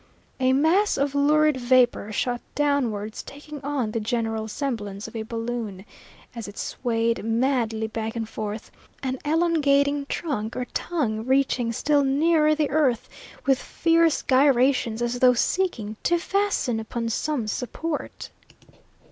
A mass of lurid vapour shot downwards, taking on the general semblance of a balloon, as it swayed madly back and forth, an elongating trunk or tongue reaching still nearer the earth, with fierce gyrations, as though seeking to fasten upon some support.